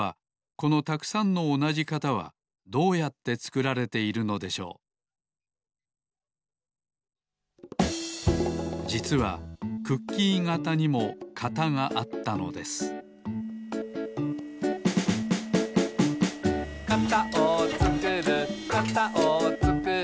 このたくさんのおなじ型はどうやってつくられているのでしょうじつはクッキー型にも型があったのですはい